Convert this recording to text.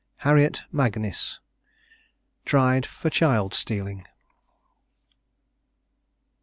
HARRIET MAGNIS. TRIED FOR CHILD STEALING.